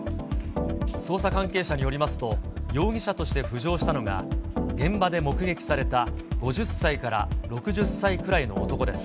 捜査関係者によりますと、容疑者として浮上したのが、現場で目撃された５０歳から６０歳くらいの男です。